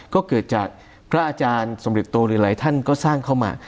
ก็เกิดจากพระอาจารย์สำเร็จโตหรือหลายท่านก็สร้างเข้ามา